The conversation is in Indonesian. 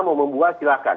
mau membuah silakan